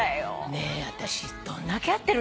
ねえ私どんだけ会ってる！？